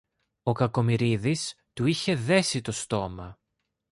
ο Κακομοιρίδης του είχε δέσει το στόμα